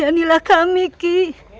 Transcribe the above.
yang penting perut kami terisi